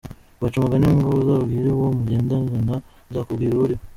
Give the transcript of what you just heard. Baca umugani ngo uzambwire uwo mugenderana nzakubwira uwo uriwe.